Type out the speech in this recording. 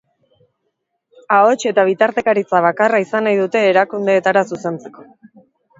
Ahots eta bitartekaritza bakarra izan nahi dute erakundeetara zuzentzeko.